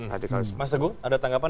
radikal mas teguh ada tanggapan